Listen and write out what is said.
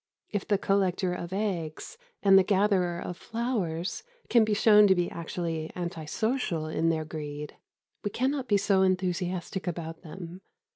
If the collector of eggs and the gatherer of flowers can be shown to be actually anti social in their greed, we cannot be so enthusiastic about them.